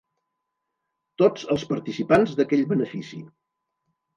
Tots els participants d'aquell benefici.